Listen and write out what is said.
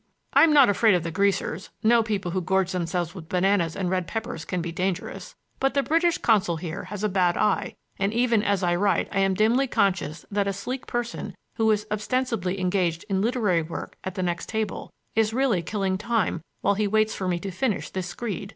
I am not afraid of the Greasers—no people who gorge themselves with bananas and red peppers can be dangerous—but the British consul here has a bad eye and even as I write I am dimly conscious that a sleek person, who is ostensibly engaged in literary work at the next table, is really killing time while he waits for me to finish this screed.